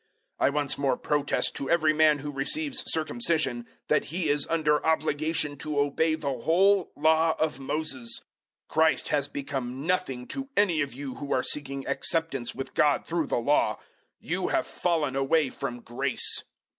005:003 I once more protest to every man who receives circumcision that he is under obligation to obey the whole Law of Moses. 005:004 Christ has become nothing to any of you who are seeking acceptance with God through the Law: you have fallen away from grace.